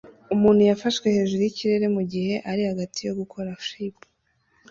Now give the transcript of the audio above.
Umuntu yafashwe hejuru yikirere mugihe ari hagati yo gukora flip